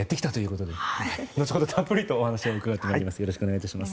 後ほど、たっぷりとお話を伺います。